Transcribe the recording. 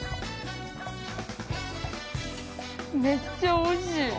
めっちゃおいしい！